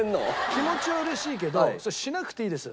気持ちはうれしいけどそれしなくていいです。